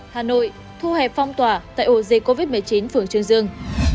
hà nội thu hẹp phong tỏa tại ổ dịch covid một mươi chín phường trương dương